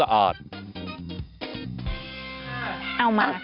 เอามาค่ะ